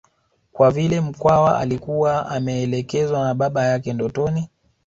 Kwa vile Mkwawa alikuwa ameelekezwa na baba yake ndotoni